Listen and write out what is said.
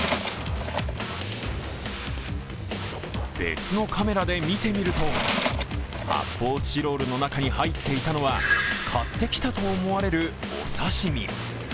別のカメラで見てみると、発泡スチロールの中に入っていたのは買ってきたと思われるお刺身。